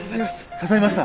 刺さりました？